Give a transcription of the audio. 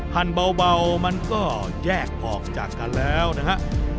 หันเบามันก็แยกออกจากกันแล้วนะฮะ